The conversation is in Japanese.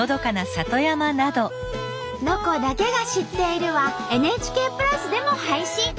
「ロコだけが知っている」はＮＨＫプラスでも配信！